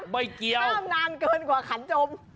ไม่เกี่ยวเพิ่มนานเกินกว่าขันจม